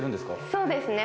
そうですね。